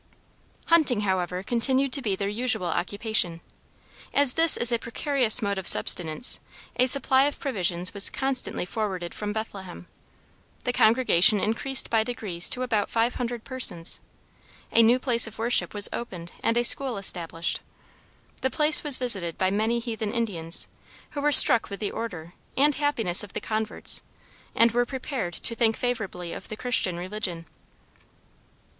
Hunting, however, continued to be their usual occupation. As this is a precarious mode of subsistence, a supply of provisions was constantly forwarded from Bethlehem. The congregation increased by degrees to about five hundred persons. A new place of worship was opened and a school established. The place was visited by many heathen Indians, who were struck with the order, and happiness of the converts, and were prepared to think favorably of the Christian religion.